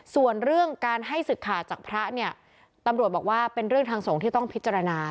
ส่วนเรื่องการให้ศึกขาดจากพระเนี่ยตำรวจบอกว่าเป็นเรื่องทางสงฆ์ที่ต้องพิจารณา